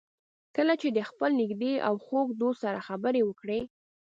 کله چې د خپل نږدې او خوږ دوست سره خبرې وکړئ.